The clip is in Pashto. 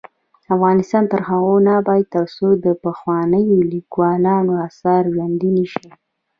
افغانستان تر هغو نه ابادیږي، ترڅو د پخوانیو لیکوالانو اثار ژوندي نشي.